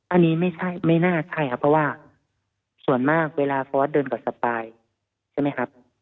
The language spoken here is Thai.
อันนี้ไม่ใช่ไม่น่าใช่ครับเพราะว่าส่วนมากเวลาฟอร์สเดินกับสปายใช่ไหมครับ